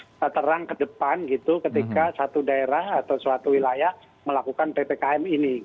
jadi saya ingin menerang ke depan gitu ketika satu daerah atau suatu wilayah melakukan ppkm ini